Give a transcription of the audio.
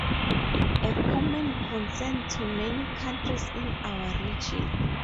A common concern to many countries in our region.